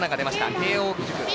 慶応義塾